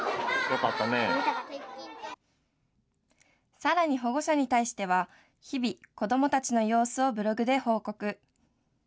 さらに保護者に対しては、日々、子どもたちの様子をブログで報告。